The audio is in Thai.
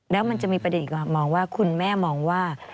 แล้วมันจะมีประเด็นอีกมองว่าคุณแม่มองว่า